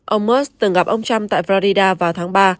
ông musk từng gặp ông trump tại florida vào tháng ba